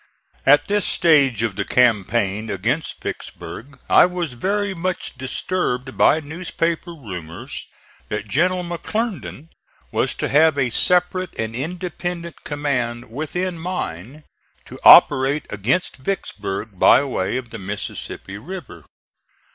At this stage of the campaign against Vicksburg I was very much disturbed by newspaper rumors that General McClernand was to have a separate and independent command within mine, to operate against Vicksburg by way of the Mississippi River.